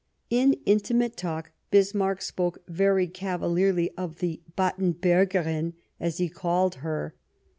In intimate talk Bismarck spoke very cavalierly of the Battenbcrgerin, as he called her.